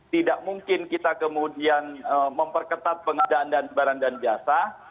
tidak mungkin kita kemudian memperketat pengadaan dan barang dan jasa